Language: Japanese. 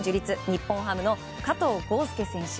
日本ハムの加藤豪将選手。